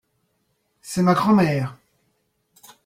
C'est ma grand-mère.